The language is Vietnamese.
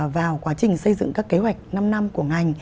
vào quá trình xây dựng các kế hoạch năm năm của ngành